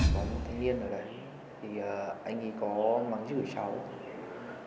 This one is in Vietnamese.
có một thanh niên ở đấy